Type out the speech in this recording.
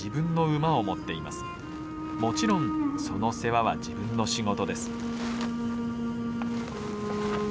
もちろんその世話は自分の仕事です。